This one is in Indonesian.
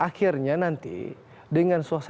akhirnya nanti dengan suasana